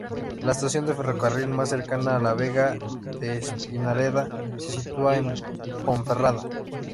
La estación de ferrocarril más cercana a Vega de Espinareda se sitúa en Ponferrada.